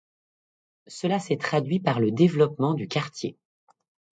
Cela s'est traduit par le développement du quartier.